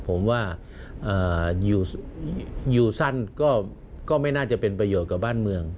ผมว่ายูซันก็ไม่น่าจะเป็นประโยชน์กับบ้านเมือง